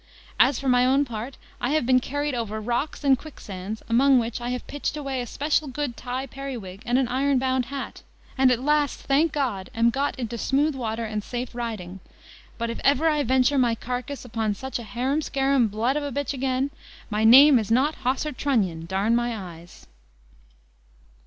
As for my own part, I have been carried over rocks, and quicksands; among which I have pitched away a special good tie periwig, and an iron bound hat; and at last, thank God! am got into smooth water and safe riding; but if ever I venture my carcass upon such a hare'um scare'um blood of a b again, my name is not Hawser Trunnion, d my eyes!"